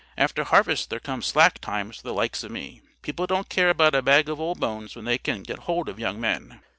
After harvest there comes slack times for the likes of me. People don't care about a bag of old bones when they can get hold of young men.